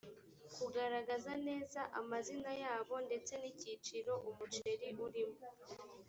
kugaragaza neza amazina yabo ndetse n’icyiciro umuceri urimo